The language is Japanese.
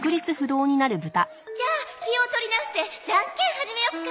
じゃあ気を取り直してジャンケン始めよっか。